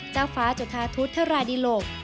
พระฟ้าจุธาทุธธรรดิโลก